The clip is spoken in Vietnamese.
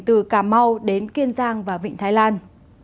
từ cà mau đến kiên giang và vịnh thái lan